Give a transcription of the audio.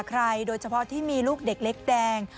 ใครโดยเฉพาะที่มีลูกเด็กเล็กแดง